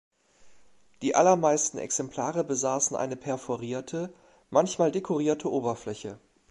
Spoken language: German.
Die allermeisten Exemplare besaßen eine perforierte, manchmal dekorierte Oberfläche.